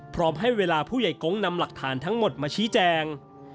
พร้อมให้เวลาผู้ใหญ่กงนำหลักฐานทั้งหมดมาชี้แจง